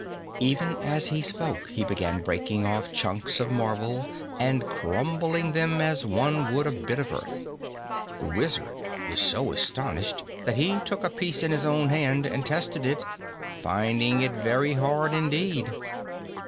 Even as he spoke, he began breaking off chunks of marble and crumbling them as one would a bit of earth. The Wizard was so astonished that he took a piece in his own hands and tested it, finding it very hard indeed.